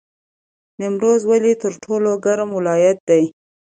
نیمروز ولې تر ټولو ګرم ولایت دی؟